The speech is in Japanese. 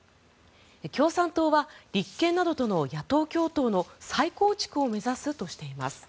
共産党は立憲などとの野党共闘の再構築を目指すとしています。